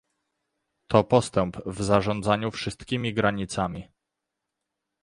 To postęp w zarządzaniu wszystkimi granicami